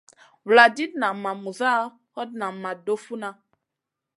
Vuladid nan ma muza, hot nan ma doh funa.